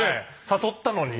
誘ったのに。